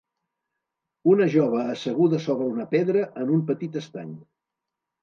Una jove asseguda sobre una pedra en un petit estany.